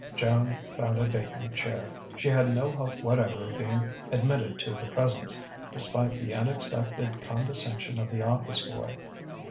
Joan found a vacant chair. She had no hope whatever of being admitted to the Presence, despite the unexpected condescension of the office boy.